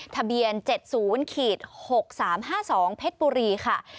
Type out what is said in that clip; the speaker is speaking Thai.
ทะเบียน๗๐๖๓๕๒เพชรบุรีค่ะ